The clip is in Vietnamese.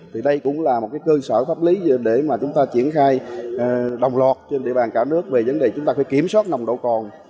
thì đây cũng là một cơ sở pháp lý để mà chúng ta triển khai đồng loạt trên địa bàn cả nước về vấn đề chúng ta phải kiểm soát nồng độ cồn